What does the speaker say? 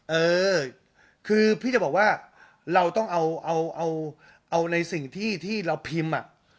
เออคือพี่จะบอกว่าเราต้องเอาเอาในสิ่งที่เราพิมพ์อ่ะ